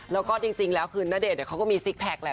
แล้วก็จริงแล้วนเดชน์ก็มีซิคพร์แพคแหละ